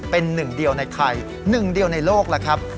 เป็นหนึ่งเดียวในไทยหนึ่งเดียวในโลกล่ะครับ